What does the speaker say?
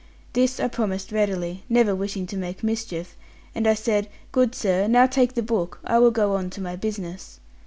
This I promised readily, never wishing to make mischief; and I said, 'Good sir, now take the book; I will go on to my business.'